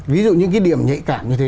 ví dụ như cái điểm nhạy cảm như thế